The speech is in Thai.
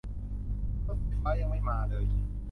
รถไฟฟ้ายังไม่มาเลย